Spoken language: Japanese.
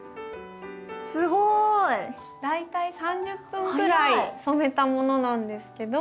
すごい！大体３０分くらい染めたものなんですけど。